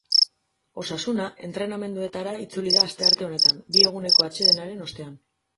Osasuna entrenamenduetara itzuli da astearte honetan, bi eguneko atsedenaren ostean.